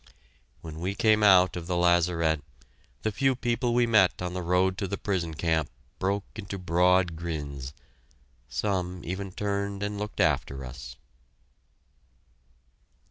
When we came out of the lazaret, the few people we met on the road to the prison camp broke into broad grins; some even turned and looked after us.